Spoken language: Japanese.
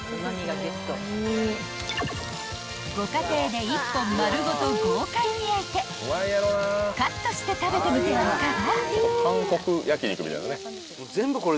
［ご家庭で１本丸ごと豪快に焼いてカットして食べてみてはいかが？］